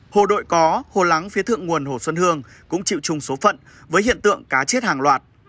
hồ đội có hồ lắng phía thượng nguồn hồ xuân hương cũng chịu chung số phận với hiện tượng cá chết hàng loạt